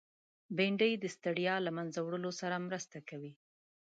بېنډۍ د ستړیا له منځه وړلو سره مرسته کوي